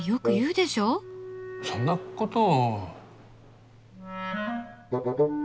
そんなこと。